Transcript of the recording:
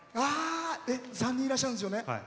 ３人いらっしゃるんですよね。